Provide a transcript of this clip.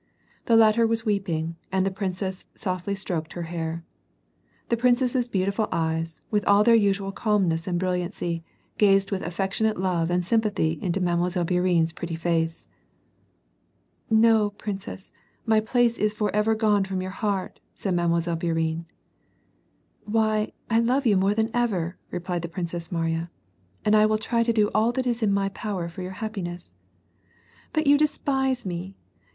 The latter was weeping, and the princess softly stroked her hair. The princess's l)eaiitiful eyes, with all their usual calmness and brilliancy, giized with affectionate love and sympathy into Mile. Bourienne's pretty face. " No, princess, my place is forever gone from your heart," • said Mile. Bourienne. "Why I love you more than ever," replied the Princess Mariya, "and I will try to do all that is in my power for your happiness." " But you despise me